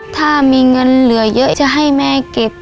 ถ้ามีเงินเหลือเยอะจะให้แม่เก็บ